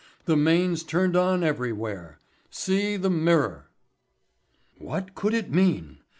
The mains turned on everywhere. See the Mirror." What could it mean?